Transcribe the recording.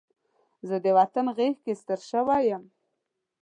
زه د وطن غېږ کې ستر شوی یم